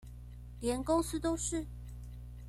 連公司都是？